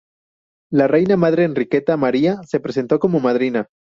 La reina madre Enriqueta María se presentó como madrina.